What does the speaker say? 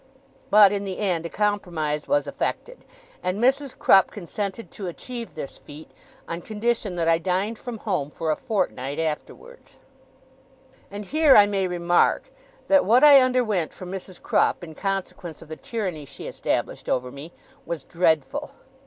But, in the end, a compromise was effected; and Mrs. Crupp consented to achieve this feat, on condition that I dined from home for a fortnight afterwards. And here I may remark, that what I underwent from Mrs. Crupp, in consequence of the tyranny she established over me, was dreadful.